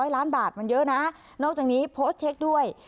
ล้านบาทมันเยอะนะนอกจากนี้โพสต์เช็คด้วย